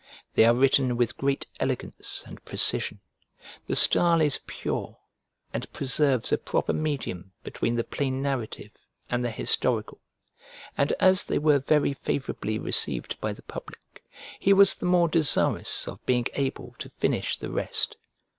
They are written with great elegance and precision, the style is pure, and preserves a proper medium between the plain narrative and the historical: and as they were very favourably received by the public, he was the more desirous of being able to finish the rest.